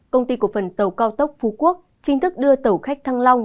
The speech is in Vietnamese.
công ty cổ phần tàu cao tốc phú quốc chính thức đưa tàu khách thăng long